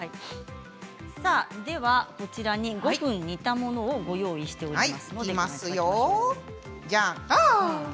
こちらに５分煮たものを用意しています。